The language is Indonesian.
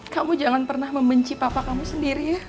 kamu jangan pernah membenci papa kamu sendiri ya